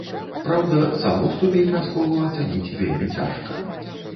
Праўда, саму ступень расколу ацаніць вельмі цяжка.